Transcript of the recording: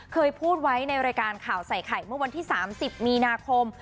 เคยพูดไว้ในรายการข่าวใส่ไข่เมื่อวันที่๓๐มีนาคม